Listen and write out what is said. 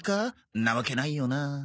んなわけないよな。